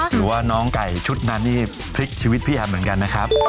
หรือว่าน้องไก่ชุดนั้นนี่พลิกชีวิตพี่แอมเหมือนกันนะครับ